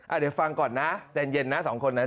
อ่ะเดี๋ยวฟังก่อนนะแต่งเย็นนะ๒คนนั้น